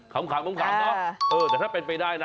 ขำเนาะแต่ถ้าเป็นไปได้นะ